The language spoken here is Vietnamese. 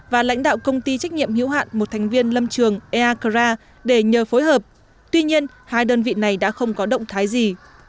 và lãnh đạo công ty trách nhiệm hữu hạn một thành viên lâm trường eakar để nhờ phối hợp tuy nhiên hai đơn vị này đã không có động thái gì